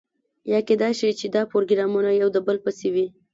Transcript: یا کیدای شي چې دا پروګرامونه یو د بل پسې وي.